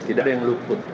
tidak ada yang luput